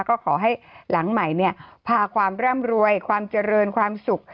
ก็ขอให้หลังใหม่พาความร่ำรวยความเจริญความสุข